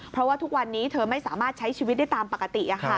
เพราะว่าทุกวันนี้เธอไม่สามารถใช้ชีวิตได้ตามปกติ